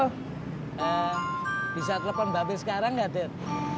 eh bisa telepon mbak be sekarang gak det